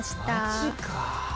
マジか。